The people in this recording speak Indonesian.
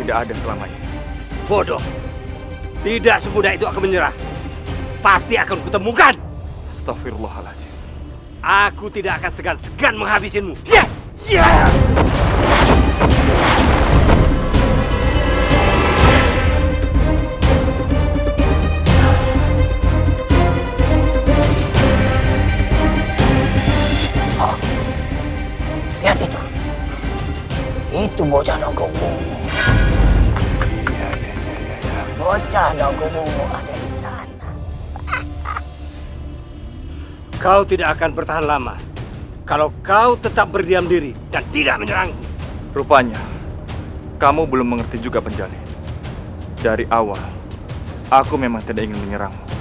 aku tidak sudi mendengarkannya